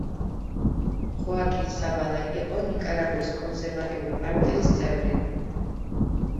ხოაკინ სავალა იყო ნიკარაგუის კონსერვატული პარტიის წევრი.